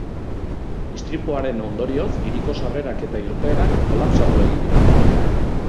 Istripuaren ondorioz hiriko sarrerak eta irteerak kolapsatu egin dira.